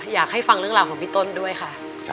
อยากให้ฟังเรื่องราวของพี่ต้นด้วยค่ะ